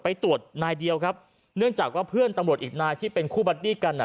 ไปตรวจนายเดียวครับเนื่องจากว่าเพื่อนตำรวจอีกนายที่เป็นคู่บัดดี้กันอ่ะ